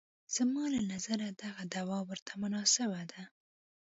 زما له نظره دغه دوا ورته مناسبه ده.